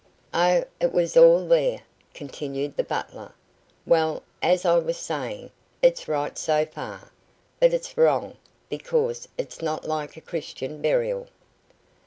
"Oh, it was all there," continued the butler. "Well, as I was saying, it's right so far; but it's wrong, because it's not like a Christian burial."